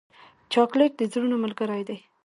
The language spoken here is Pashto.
چاکلېټ د زړونو ملګری دی.